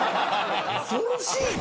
恐ろしいぜ。